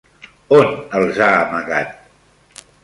On els ha amagat?